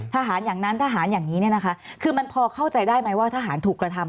ทหารอย่างนั้นทหารอย่างนี้เนี่ยนะคะคือมันพอเข้าใจได้ไหมว่าทหารถูกกระทำ